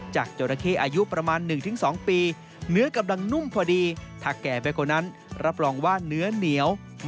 จากจรเคอายุประมาณ๑๒ปี